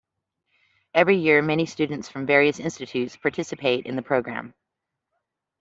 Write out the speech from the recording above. Every year many students from various institutes participate in the program.